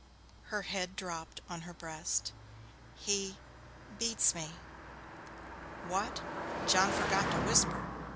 Her head drooped on her breast. 'He beats me.' 'What!' John forgot to whisper.